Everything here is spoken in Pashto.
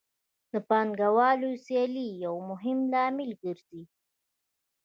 د پانګوالو سیالي یو مهم لامل ګرځي